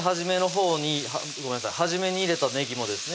初めに入れたねぎもですね